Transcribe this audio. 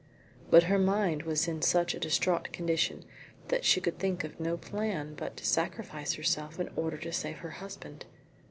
But her mind was in such a distraught condition that she could think of no plan but to sacrifice herself in order to save her husband.